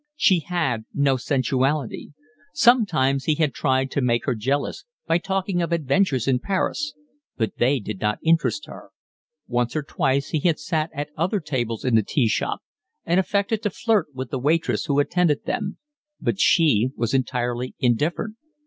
She had no sensuality. Sometimes he had tried to make her jealous by talking of adventures in Paris, but they did not interest her; once or twice he had sat at other tables in the tea shop and affected to flirt with the waitress who attended them, but she was entirely indifferent.